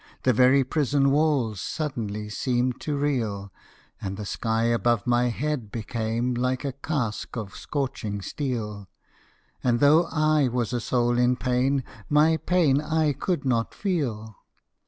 the very prison walls Suddenly seemed to reel, And the sky above my head became Like a casque of scorching steel; And, though I was a soul in pain, My pain I could not feel.